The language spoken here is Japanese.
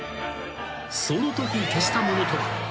［そのとき消したものとは］